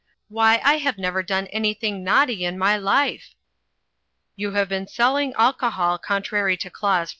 "Why, I have never done anything naughty in my life." "You have been selling alcohol contrary to Clause V.